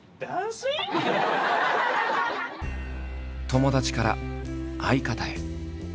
友達から相方へ。